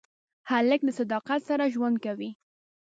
هلک له صداقت سره ژوند کوي.